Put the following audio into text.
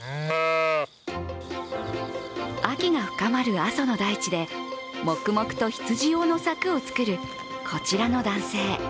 秋が深まる阿蘇の大地で黙々と羊用の柵を作るこちらの男性。